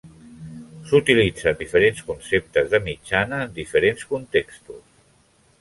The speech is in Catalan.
S'utilitzen diferents conceptes de mitjana en diferents contextos.